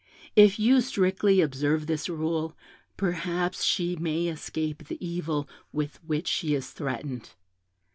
If you strictly observe this rule, perhaps she may escape the evil with which she is threatened.